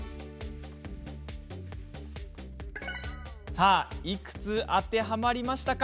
さあ、いくつ当てはまりましたか。